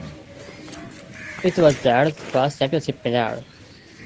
It was Doyle's first championship medal.